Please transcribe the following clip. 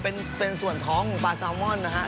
เป็นส่วนท้องปลาซาวมอนด์นะครับ